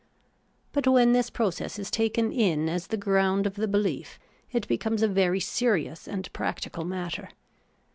But when this process is taken in as the ground of the behef, it becomes a very serious and practical matter.